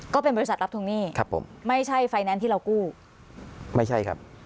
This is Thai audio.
ก็เป็นบริษัทรับทวงหนี้ครับผมไม่ใช่ไฟแนนซ์ที่เรากู้ไม่ใช่ครับ